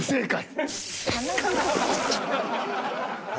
正解！